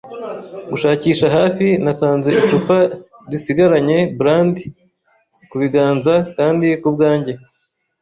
Gushakisha hafi, nasanze icupa risigaranye brandi, kubiganza; kandi ku bwanjye